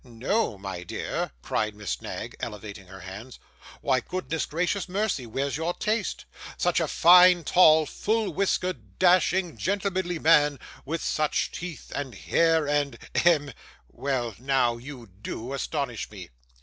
'No, my dear!' cried Miss Knag, elevating her hands. 'Why, goodness gracious mercy, where's your taste? Such a fine tall, full whiskered dashing gentlemanly man, with such teeth and hair, and hem well now, you DO astonish me.